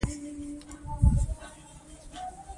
افغانستان د خپلو ځنګلي سرچینو او حاصلاتو باندې پوره تکیه لري.